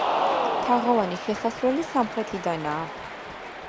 თაღოვანი შესასვლელი სამხრეთიდანაა.